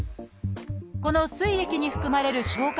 このすい液に含まれる消化